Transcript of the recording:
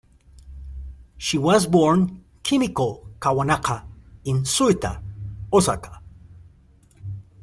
She was born Kimiko Kawanaka in Suita, Osaka.